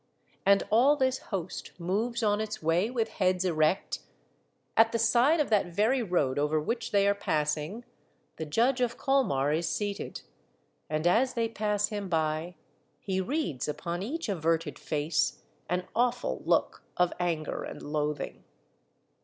And all this host moves on its way with heads erect ; at the side of that very road over which they are passing, the Judge of Colmar is seated, and as they pass him by he reads upon each averted face an awful look of anger and loathing.